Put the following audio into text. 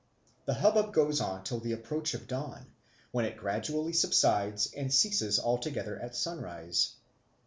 The hubbub goes on till the approach of dawn, when it gradually subsides and ceases altogether at sunrise.